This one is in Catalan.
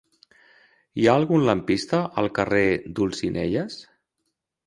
Hi ha algun lampista al carrer d'Olzinelles?